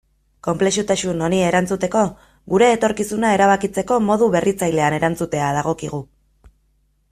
Konplexutasun honi erantzuteko, gure etorkizuna erabakitzeko modu berritzailean erantzutea dagokigu.